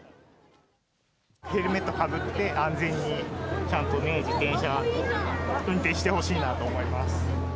ヘルメットかぶって、安全に、ちゃんと自転車運転してほしいなと思います。